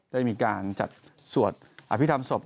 จะมีการจัดสวดอภิกรรมศพ